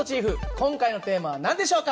今回のテーマは何でしょうか？